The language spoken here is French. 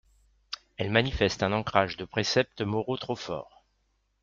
Elle manifeste un ancrage de préceptes moraux trop fort